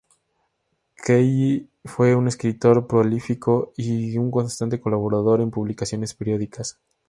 Kaye fue un escritor prolífico, y un constante colaborador en publicaciones periódicas.